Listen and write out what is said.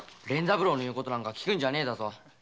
連三郎の言うことなんか聞くんじゃねえぞ。